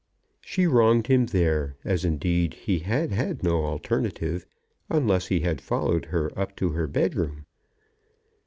She wronged him there, as indeed he had had no alternative, unless he had followed her up to her bedroom.